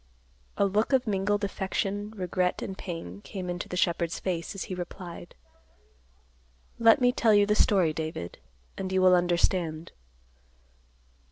A look of mingled affection, regret and pain, came into the shepherd's face, as he replied, "Let me tell you the story, David, and you will understand."